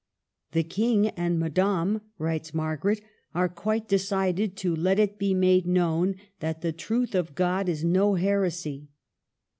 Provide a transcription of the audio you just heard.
" The King and Madame," writes Margaret, " are quite decided to let it be made known that the truth of God is no heresy."